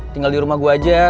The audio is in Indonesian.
tinggal di rumah gue aja